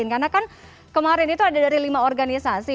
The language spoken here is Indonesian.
karena kan kemarin itu ada dari lima organisasi